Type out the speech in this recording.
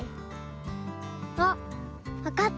あっわかった！